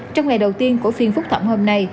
trong ngày đầu tiên của phiên phúc thẩm hôm nay